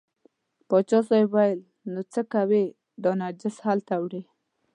پاچا صاحب وویل نو څه کوې دا نجس هلته وړې.